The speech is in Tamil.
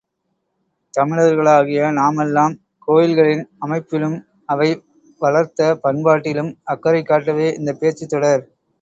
தமிழர்களாகிய நாமெல்லாம் கோயில்களின் அமைப்பிலும் அவை வளர்த்த பண்பாட்டிலும் அக்கறை காட்டவே இந்தப் பேச்சுத் தொடர்.